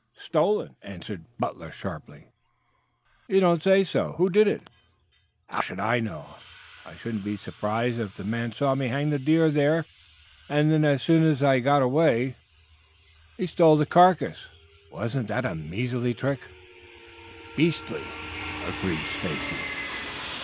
"Stolen!" answered Butler sharply. "You don't say so? Who did it?" "How should I know? I shouldn't be surprised if the man saw me hang the deer there, then as soon as I got away he stole the carcass. Wasn't that a measly trick?" "Beastly," agreed Stacy.